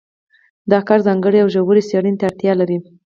دا کار ځانګړې او ژورې څېړنې ته اړتیا لري.